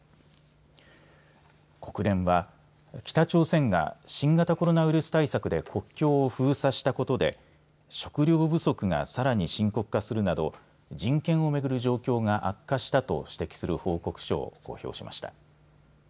国連は北朝鮮が新型コロナウイルス対策で国境を封鎖したことで食料不足がさらに深刻化するなど人権をめぐる状況が悪化したと指摘する報告書を公表しました。